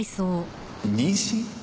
妊娠？